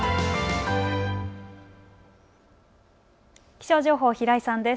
気象情報、平井さんです。